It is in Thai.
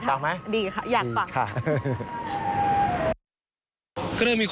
ค่ะดีค่ะงั้ย